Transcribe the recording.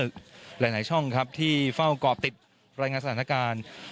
หรือหลายช่องที่เฝ้ากลอบติดในรายงานสถานการณ์